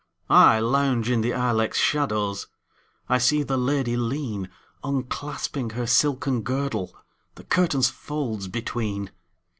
I lounge in the ilex shadows,I see the lady lean, Unclasping her silken girdle, The curtain's folds between.